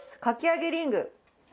かき揚げリング。